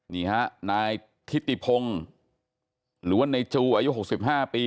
นี่ฮะนายทิติพงหรือว่าในจูอายุหกสิบห้าปี